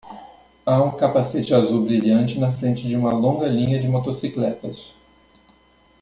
Há um capacete azul brilhante na frente de uma longa linha de motocicletas.